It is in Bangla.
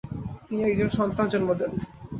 তিনি একজন সন্তান জন্ম দেন।